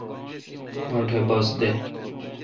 مٹھ ا بِس دہ۔